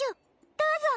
どうぞ。